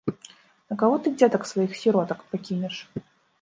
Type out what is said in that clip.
На каго ты дзетак сваіх, сіротак, пакінеш?